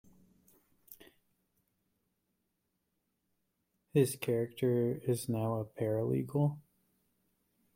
His character is now a paralegal.